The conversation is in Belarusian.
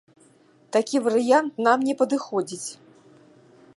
Такі варыянт нам не падыходзіць!